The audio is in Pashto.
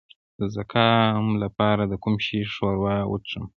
د زکام لپاره د کوم شي ښوروا وڅښم؟